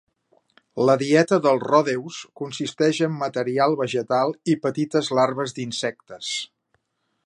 La dieta del ródeus consisteix en material vegetal i petites larves d'insectes.